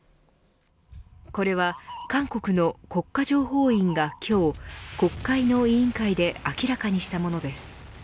これは韓国の国家情報院が今日国会の委員会で明らかにしたものです。